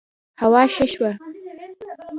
هوا ښه شوه